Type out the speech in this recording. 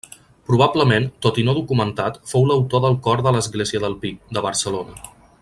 Probablement, tot i no documentat, fou l'autor del cor de l'església del Pi, de Barcelona.